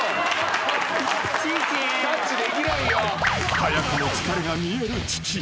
［早くも疲れが見える父］